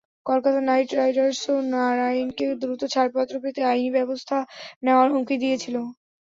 Kolkata Knight রাইডার্সও নারাইনকে দ্রুত ছাড়পত্র পেতে আইনি ব্যবস্থা নেওয়ার হুমকি দিয়েছিল।